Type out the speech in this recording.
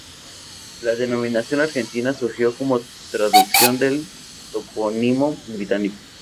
La denominación argentina surgió como traducción del topónimo británico.